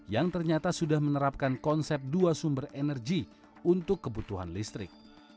yang ternyata sudah menerapkan konsep dua sumber energi untuk kebutuhan listrik